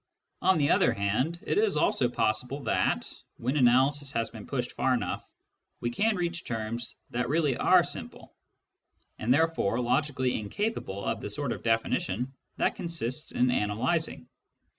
On the other hand, it is also possible that, when analysis has been pushed far enough, we can reach terms that really are simple, and therefore logically incapable of the sort of definition that consists in analysing.